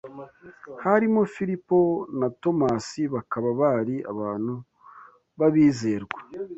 Harimo Filipo na Tomasi, bakaba bari abantu b’abizerwa